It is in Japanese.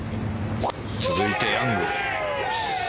続いて、ヤング。